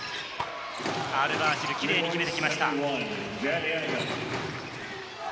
アルバーシル、キレイに決めてきました。